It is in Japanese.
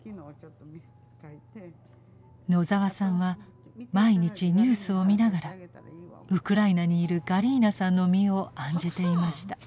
野澤さんは毎日ニュースを見ながらウクライナにいるガリーナさんの身を案じていました。